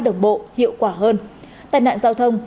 đồng bộ hiệu quả hơn tài nạn giao thông